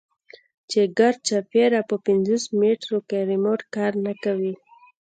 چې ګردچاپېره په پينځوس مټرو کښې ريموټ کار نه کوي.